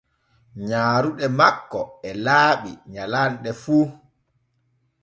Nyaaruɗe makko e laaɓi nyallane fu.